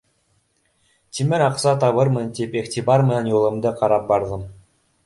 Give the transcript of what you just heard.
Тимер аҡса табырмын тип иғтибар менән юлымды ҡарап барҙым.